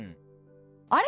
あれ？